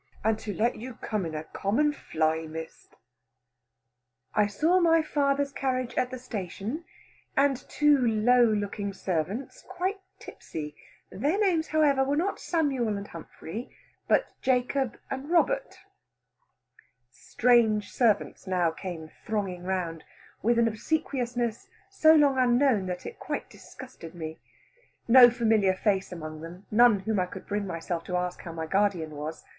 And to let you come in a common fly, Miss!" "I saw my father's carriage at the station, and two low looking servants quite tipsy. Their names, however, were not Samuel and Humphry, but Jacob and Robert." Strange servants now came thronging round, with an obsequiousness so long unknown that it quite disgusted me. No familiar face among them, none whom I could bring myself to ask how my guardian was.